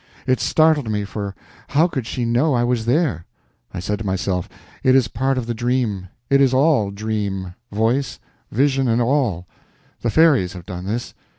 It startled me, for how could she know I was there? I said to myself, it is part of the dream; it is all dream—voice, vision and all; the fairies have done this.